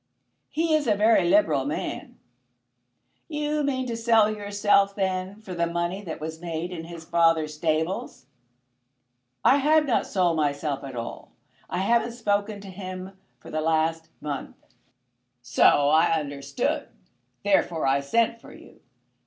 "He is a very liberal man." "You mean to sell yourself, then, for the money that was made in his father's stables?" "I have not sold myself at all. I haven't spoken to him for the last month." "So I understood; therefore I sent for you.